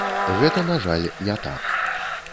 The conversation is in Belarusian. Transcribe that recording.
Гэта, на жаль, не так.